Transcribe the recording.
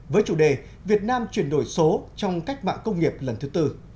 với chủ đề việt nam chuyển đổi số trong cách mạng công nghiệp lần thứ tư